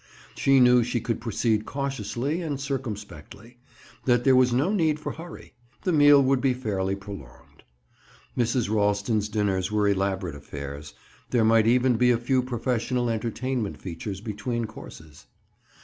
She knew she could proceed cautiously and circumspectly, that there was no need for hurry; the meal would be fairly prolonged. Mrs. Ralston's dinners were elaborate affairs; there might even be a few professional entertainment features between courses.